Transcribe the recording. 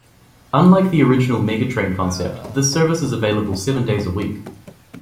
Unlike the original Megatrain concept, this service is available seven days a week.